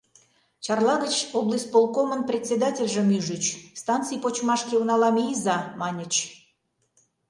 Чарла гыч облисполкомын председательжым ӱжыч: «Станций почмашке унала мийыза», — маньыч.